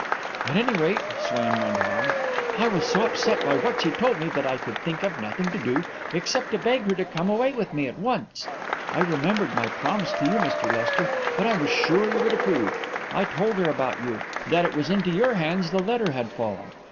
"At any rate," Swain went on, "I was so upset by what she told me that I could think of nothing to do except to beg her to come away with me at once. I remembered my promise to you, Mr. Lester, but I was sure you would approve. I told her about you that it was into your hands the letter had fallen.